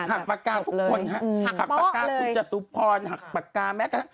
หักปากกาทุกคนค่ะหักปากกาคุณเศรษฐุพรหักปากกาแม็กซ์ค่ะ